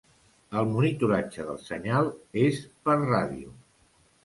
El monitoratge del senyal és per ràdio.